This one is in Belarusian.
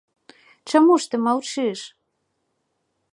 Чаму ж ты маўчыш?